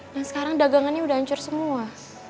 nah sekarang dagangannya udah hancur semua